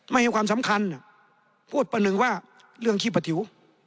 ให้ความสำคัญพูดประหนึ่งว่าเรื่องขี้ประถิว